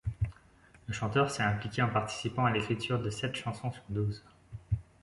Le chanteur s'est impliqué en participant à l'écriture de sept chansons sur douze.